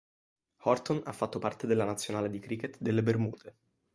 Horton ha fatto parte della nazionale di cricket delle Bermude.